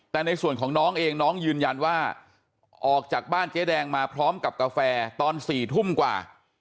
แต่ในส่วนของน้องเองน้องยืนยันว่าออกจากบ้านเจ๊แดงมาพร้อมกับกาแฟตอน๔ทุ่มกว่า